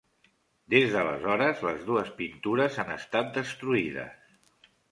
Des d'aleshores, les dues pintures han estat destruïdes.